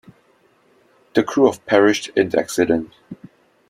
The crew of perished in the accident.